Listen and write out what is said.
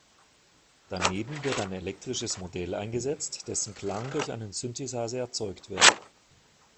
Daneben wird ein elektrisches Modell eingesetzt, dessen Klang durch einen Synthesizer erzeugt wird.